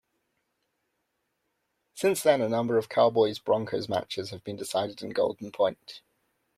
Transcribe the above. Since then, a number of Cowboys-Broncos matches have been decided in Golden Point.